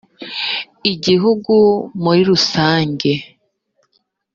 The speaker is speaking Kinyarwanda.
igihugu muri rusange